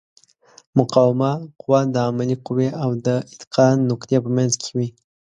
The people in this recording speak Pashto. مقاومه قوه د عاملې قوې او د اتکا نقطې په منځ کې وي.